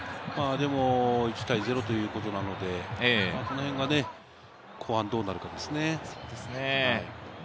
でも１対０ということなので、このへんが、後半どうなるかですね。